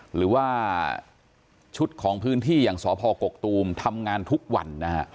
หรือว่าชุดของพื้นที่อย่างสพกกตูมทำงานทุกวันนะฮะ